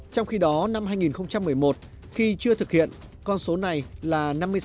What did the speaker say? trong khi đó năm hai nghìn một mươi một khi chưa thực hiện con số này là năm mươi sáu